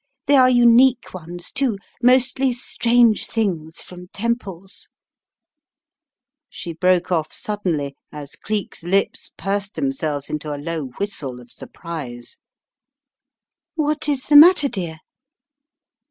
They are unique ones, too: mostly strange things from temples " She broke off suddenly as Cleek's lips pursed them selves into a low whistle of surprise. " What is the matter, dear?"